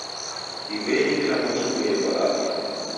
Divei ni kilambo chiboie kwa afya?